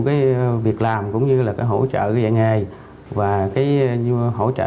cái việc làm cũng như là cái hỗ trợ cái dạng nghề và cái hỗ trợ